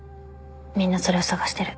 みんなそれを探してる。